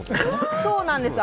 そうなんです。